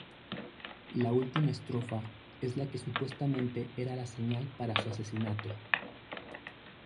La última estrofa es la que supuestamente era la señal para su asesinato.